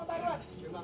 bertemu dengan pak sb dan